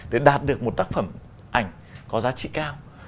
để đạt được một tác phẩm ảnh có giá trị cao